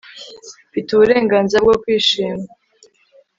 Mfite uburenganzira bwo kwishima